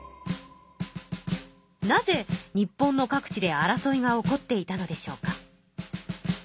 なぜ日本の各地で争いが起こっていたのでしょうか？